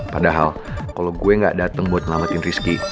padahal kalo gue gak dateng buat ngelaketin rizky